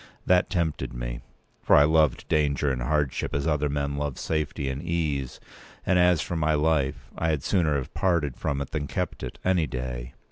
That tempted me. For I loved danger and hardship as other men love safety and ease; p. 209and as for my life, I had sooner have parted from it than kept it, any day.